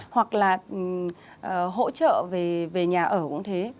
hoặc là hỗ trợ về nhà ở cũng thế